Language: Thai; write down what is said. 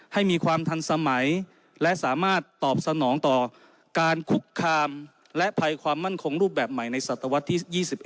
ให้มีความทันสมัยและสามารถตอบสนองต่อการคุกคามและภัยความมั่นคงรูปแบบใหม่ในศตวรรษที่๒๑